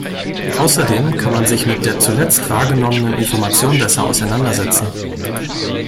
Außerdem kann man sich mit der zuletzt wahrgenommenen Information besser auseinandersetzen.